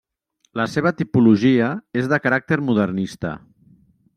La seva tipologia és de caràcter modernista.